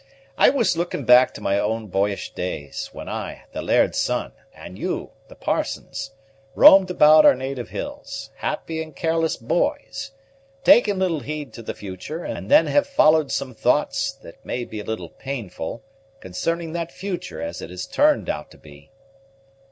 I was looking back to my boyish days, when I, the laird's son, and you, the parson's, roamed about our native hills, happy and careless boys, taking little heed to the future; and then have followed some thoughts, that may be a little painful, concerning that future as it has turned out to be."